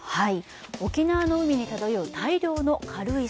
沖縄の海に漂う大量の軽石。